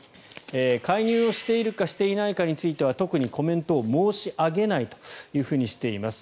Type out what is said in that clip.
介入をしているかしていないかについては特にコメントを申し上げないとしています。